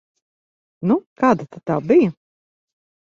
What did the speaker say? Nu, kāda tad tā bija?